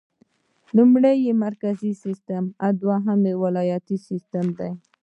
لومړی مرکزي سیسټم او دوهم ولایتي سیسټم دی.